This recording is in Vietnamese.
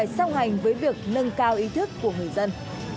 song hành với việc nâng cao ý thức của người dân